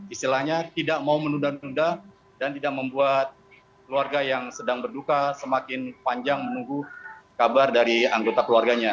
istilahnya tidak mau menunda nunda dan tidak membuat keluarga yang sedang berduka semakin panjang menunggu kabar dari anggota keluarganya